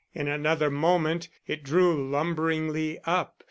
In another moment it drew lumberingly up.